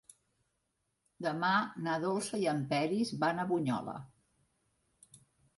Demà na Dolça i en Peris van a Bunyola.